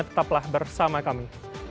tetaplah bersama kami